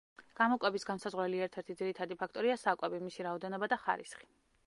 გამოკვების განმსაზღვრელი ერთ-ერთი ძირითადი ფაქტორია საკვები, მისი რაოდენობა და ხარისხი.